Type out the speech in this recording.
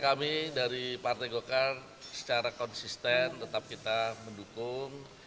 kami dari partai golkar secara konsisten tetap kita mendukung